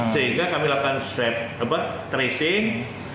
sehingga kami lakukan swab tracing